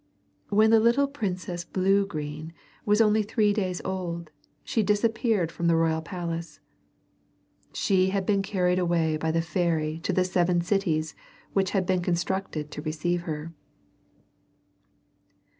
When the little Princess Bluegreen was only three days old she disappeared from the royal palace. She had been carried away by the fairy to the seven cities which had been constructed to receive her.